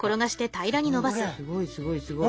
すごいすごいすごい。